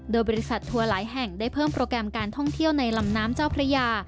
โดยบริษัททัวร์หลายแห่งได้เพิ่มโปรแกรมการท่องเที่ยวในลำน้ำเจ้าพระยา